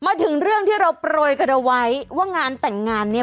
มาถึงเรื่องที่เราโปรยกันเอาไว้ว่างานแต่งงานเนี่ย